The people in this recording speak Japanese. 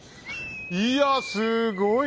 いやすごい。